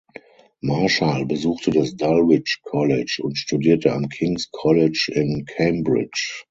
Marshall besuchte das Dulwich College und studierte am King's College in Cambridge.